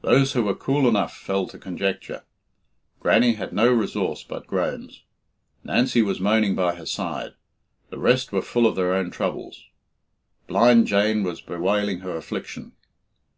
Those who were cool enough fell to conjecture. Grannie had no resource but groans. Nancy was moaning by her side. The rest were full of their own troubles. Blind Jane was bewailing her affliction.